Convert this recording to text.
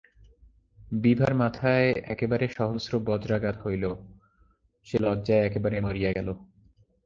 বিভার মাথায় একেবারে সহস্র বজ্রাঘাত হইল, সে লজ্জায় একেবারে মরিয়া গেল।